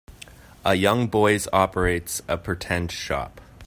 A young boys operates a pretend shop.